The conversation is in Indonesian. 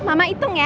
mama hitung ya